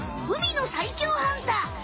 海の最強ハンター！